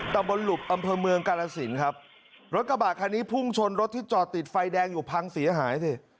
ตะบนหลุบอำเภอเมืองกาลสินครับรถกระบะคันนี้พุ่งชนรถที่จอดติดไฟแดงอยู่พังเสียหายสิ